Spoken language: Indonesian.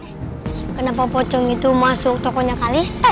eh kenapa pocong itu masuk tokonya kalista ya